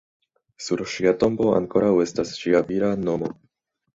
Sur ŝia tombo ankoraŭ estas ŝia vira nomo.